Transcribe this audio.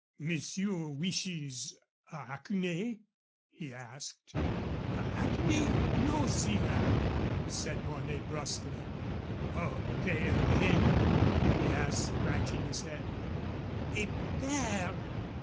"Monsieur wishes a haquenée?" he asked. "A haquenée? No, sirrah!" said Mornay, brusquely. "A pair, then?" he asked, scratching his head. "A pair?"